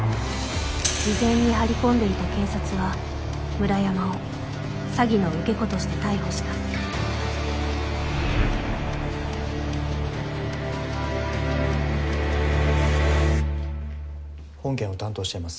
事前に張り込んでいた警察は村山を詐欺の受け子として逮捕した本件を担当しています